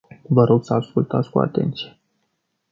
Vă rog să ascultați cu atenție.